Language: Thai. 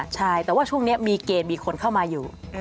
ใช่แต่ว่าช่วงนี้มีเกณฑ์มีคนเข้ามาอยู่